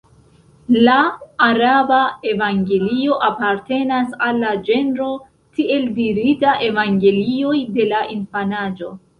La araba Evangelio apartenas al la ĝenro tieldirita Evangelioj de la infanaĝo.